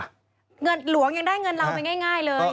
หลวงยังได้เงินเราไม่ง่ายเลย